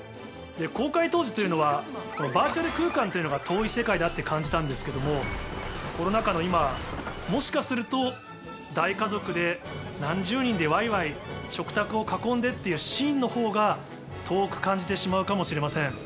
公開当時というのはバーチャル空間というのが遠い世界だって感じたんですけどもコロナ禍の今もしかすると大家族で何十人でわいわい食卓を囲んでっていうシーンのほうが遠く感じてしまうかもしれません。